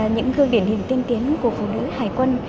những gương điển hình tiên tiến của phụ nữ hải quân